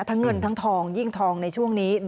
ทั้งเงินทั้งทองยิ่งทองในช่วงนี้